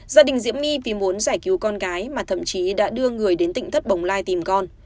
gia đình diễm my vì muốn giải cứu con gái mà thậm chí đã đưa người đến tỉnh thất bồng lai tìm con